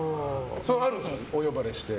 あるんですか、お呼ばれして。